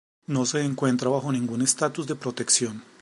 No se encuentra bajo ningún estatus de protección.